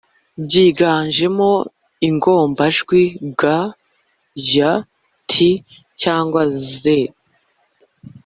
byiganjemo ingombajwi g, y, t cyangwa z,